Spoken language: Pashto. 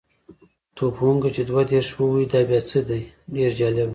توپ وهونکی چې دوه دېرش وهي دا بیا څه دی؟ ډېر جالبه.